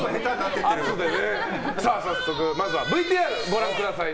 早速、まずはＶＴＲをご覧ください。